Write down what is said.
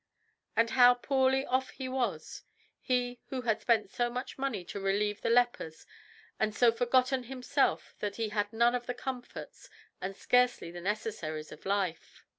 "And how poorly off he was; he who had spent so much money to relieve the lepers had so forgotten himself that he had none of the comforts and scarcely the necessaries of life."